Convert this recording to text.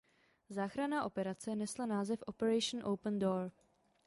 Záchranná operace nesla název Operation Open Door.